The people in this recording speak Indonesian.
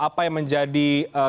apa yang menjadi